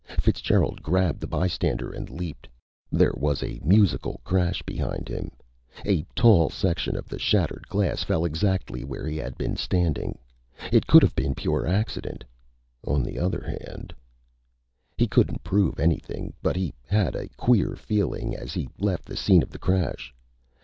Fitzgerald grabbed the bystander and leaped. There was a musical crash behind him. A tall section of the shattered glass fell exactly where he had been standing. It could have been pure accident. On the other hand He couldn't prove anything, but he had a queer feeling as he left the scene of the crash.